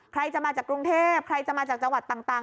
ใครจะมาจากกรุงเทพใครจะมาจากจังหวัดต่าง